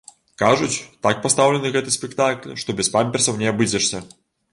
Кажуць, так пастаўлены гэты спектакль, што без памперсаў не абыдзешся!